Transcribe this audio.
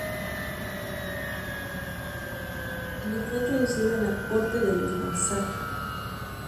Desde Venecia pasó a Mantua, donde fue introducido en la corte de los Gonzaga.